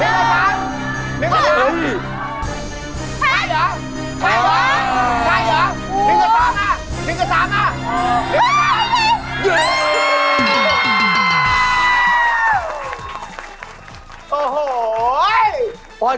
หนึ่งสามหนึ่งกัน๓